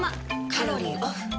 カロリーオフ。